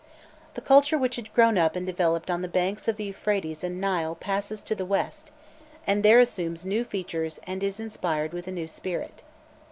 The culture which had grown up and developed on the banks of the Euphrates and Nile passes to the West, and there assumes new features and is inspired with a new spirit.